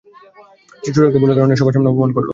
ছোট একটা ভুলের কারণে, সবার সামনে অপমান করলো!